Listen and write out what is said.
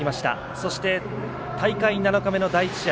そして、大会７日目の第１試合。